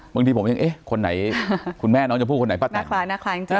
บางทีผมยังเอ๊ะคนไหนคุณแม่น้องชมพู่คนไหนป้าแตน